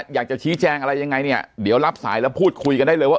อยากจะชี้แจงอะไรยังไงเนี่ยเดี๋ยวรับสายแล้วพูดคุยกันได้เลยว่า